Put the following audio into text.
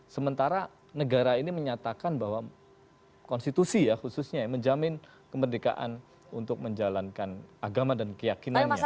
sementara negara ini menyatakan bahwa konstitusi ya khususnya yang menjamin kemerdekaan untuk menjalankan agama dan keyakinannya